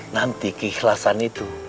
nanti keikhlasan itu